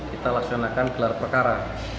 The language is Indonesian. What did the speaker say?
kita laksanakan gelar perkara